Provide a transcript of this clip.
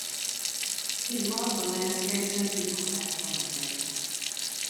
He loved the landscapes and people of Afghanistan.